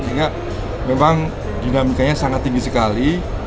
sehingga memang dinamikanya sangat tinggi sekali